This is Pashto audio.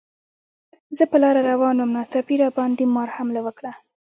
زه په لاره روان وم، ناڅاپي راباندې مار حمله وکړه.